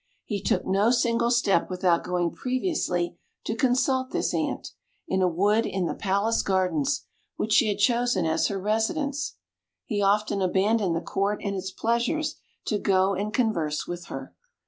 He took no single step without going previously to consult this Ant, in a wood in the palace gardens, which she had chosen as her residence. He often abandoned the Court and its pleasures to go and converse with her.